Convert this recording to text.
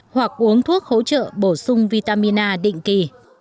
hoặc uống thuốc hỗ trợ bổ sung vitamin a định kỳ